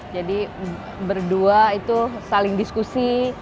jadi berdua itu saling diskusi